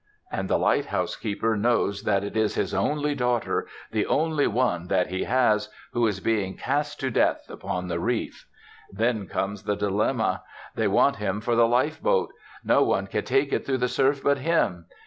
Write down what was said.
And the lighthouse keeper knows that it is his only daughter the only one that he has who is being cast to death upon the reef. Then comes the dilemma. They want him for the lifeboat; no one can take it through the surf but him.